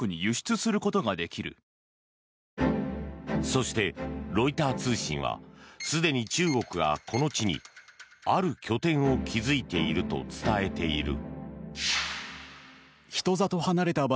そして、ロイター通信はすでに中国がこの地にある拠点を築いていると伝えている。